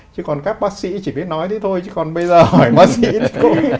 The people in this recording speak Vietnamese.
chứ còn các bác sĩ chỉ biết nói thế thôi chứ còn bây giờ hỏi bác sĩ cũng